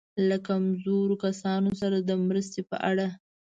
له کمزورو کسانو سره د مرستې په اړه.